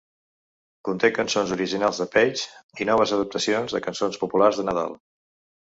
Conté cançons originals de Paige i noves adaptacions de cançons populars de Nadal.